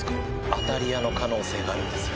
当たり屋の可能性があるんですよ。